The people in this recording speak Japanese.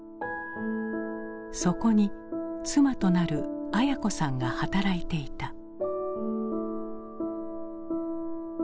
そこに妻となる文子さんが働いていた。